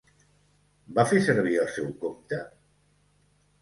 Va fer servir el seu compte?